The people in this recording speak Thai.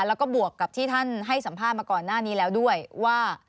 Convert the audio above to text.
แล้วก็บวกกับที่ท่านให้สัมภาษณ์มาก่อนหน้านี้แล้วด้วยว่า